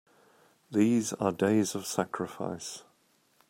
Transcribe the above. These are days of sacrifice!